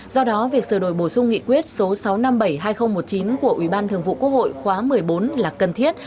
do đó việc sửa đổi bổ sung nghị quyết số sáu trăm năm mươi bảy hai nghìn một mươi chín của ủy ban thường vụ quốc hội khóa một mươi bốn là cần thiết